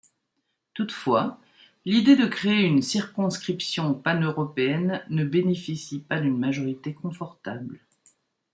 Toutefois, l'idée de créer une circonscription paneuropéenne ne bénéficie pas d'une majorité confortable.